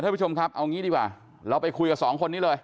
ท่านผู้ชมครับเอางี้ดีกว่าเราไปคุยกับสองคนนี้เลย